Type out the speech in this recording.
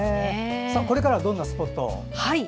これからはどんなスポットを？